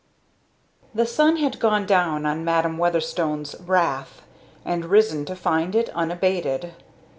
The sun had gone down on Madam Weatherstone's wrath, and risen to find it unabated.